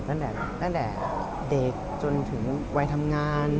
ตั้งแต่เด็กจนถึงวัยทำงาน